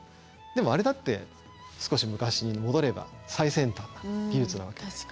でもあれだって少し昔に戻れば最先端な技術なわけです。